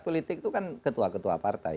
politik itu kan ketua ketua partai